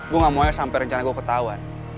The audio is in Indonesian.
gue gak mau aja sampe rencana gue ketahuan